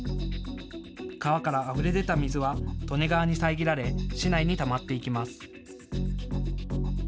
川からあふれ出た水は利根川に遮られ市内にたまっていきます。